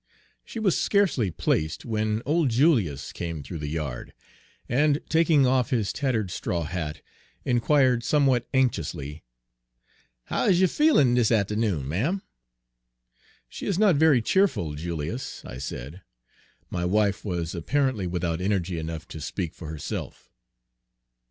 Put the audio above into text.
She was scarcely placed whan old Julius came through the yard, and, taking off his tattered straw hat, inquired, somewhat anxiously: Page 134 "How is you feelin' dis atternoon, ma'm?" "She is not very cheerful, Julius," I said. My wife was apparently without energy enough to speak for herself.